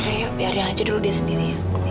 ya udah biar dia aja dulu dia sendiri